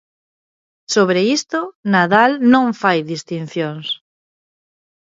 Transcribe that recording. Sobre isto, Nadal non fai distincións.